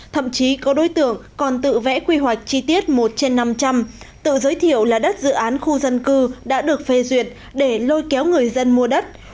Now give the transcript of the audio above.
thậm chí có đối tượng còn tự vẽ quy hoạch chi tiết một trên năm trăm linh tự giới thiệu là đất dự án khu dân cư đã được phê duyệt để lôi kéo người dân mua đất